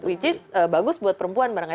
which is bagus buat perempuan barangkali